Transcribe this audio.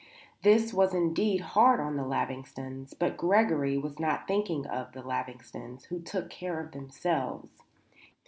This was indeed hard on the Lavingtons; but Gregory was not thinking of the Lavingtons, who could take care of themselves.